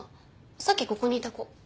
さっきここにいた子。